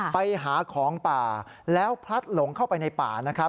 ไปหาของป่าแล้วพลัดหลงเข้าไปในป่านะครับ